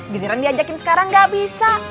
giliran diajakin sekarang gak bisa